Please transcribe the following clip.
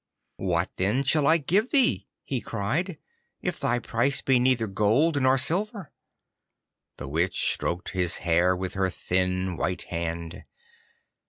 'What then shall I give thee,' he cried, 'if thy price be neither gold nor silver?' The Witch stroked his hair with her thin white hand.